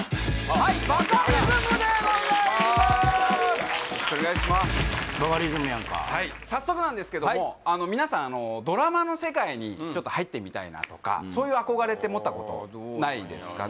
はいバカリズムやんか早速なんですけども皆さんドラマの世界に入ってみたいなとかそういう憧れって持ったことないですかね？